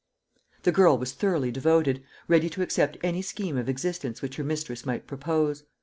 The girl was thoroughly devoted, ready to accept any scheme of existence which her mistress might propose.